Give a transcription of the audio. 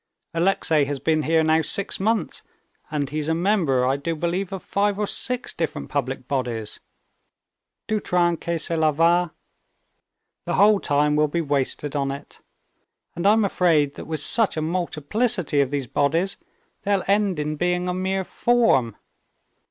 Alexey has been here now six months, and he's a member, I do believe, of five or six different public bodies. Du train que cela va, the whole time will be wasted on it. And I'm afraid that with such a multiplicity of these bodies, they'll end in being a mere form.